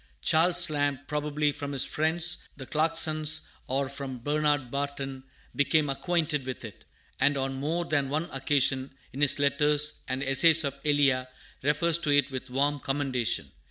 Charles Lamb, probably from his friends, the Clarksons, or from Bernard Barton, became acquainted with it, and on more than one occasion, in his letters and Essays of Elia, refers to it with warm commendation.